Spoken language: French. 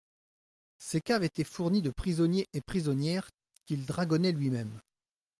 Ses caves étaient fournies de prisonniers et prisonnières qu'il dragonnait lui-même.